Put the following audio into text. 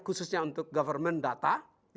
khususnya untuk government data